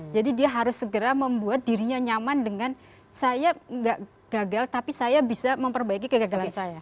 dia harus segera membuat dirinya nyaman dengan saya gagal tapi saya bisa memperbaiki kegagalan saya